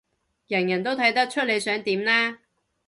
人人都睇得出你想點啦